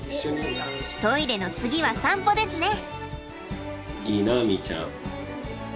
トイレの次は散歩ですね！